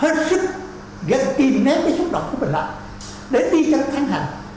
hơn sức gần kì nếm cái xúc động của mình lại để đi cho nó thăng hành